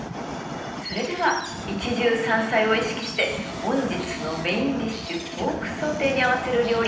それでは一汁三菜を意識して本日のメインディッシュポークソテーに合わせる料理